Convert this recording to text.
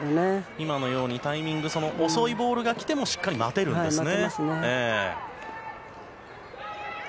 今のようにタイミングが遅いボールが来てもしっかり待てるんですね。